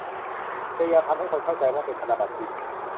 พยายามทำให้คนเข้าใจว่าเป็นธนบัตรจริง